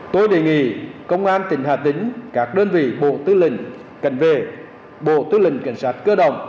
tôi đề nghị công an tỉnh hà tĩnh các đơn vị bộ tư lĩnh cần vệ bộ tư lĩnh cảnh sát cơ đồng